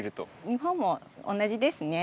日本も同じですね。